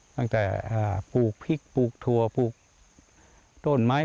ตั้งแต่ผูกพริกผูกทัวร์ผูกต้นไม้